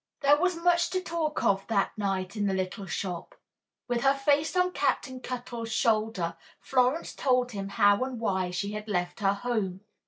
There was much to talk of that night in the little shop. With her face on Captain Cuttle's shoulder, Florence told him how and why she had left her home.